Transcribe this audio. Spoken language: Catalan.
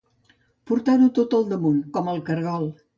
Portar-ho tot damunt com el caragol.